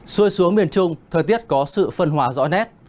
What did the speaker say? xui xuống miền trung thời tiết có sự phân hóa rõ nét